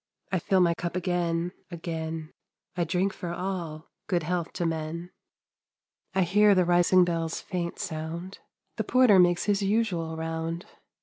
I fill my cup again, again, I drink for all good health to men I hear the rising bell's faint sound, The porter makes his usual round.